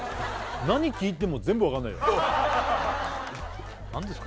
何聞いても全部分かんないよ何ですか？